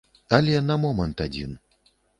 Але на момант адзін.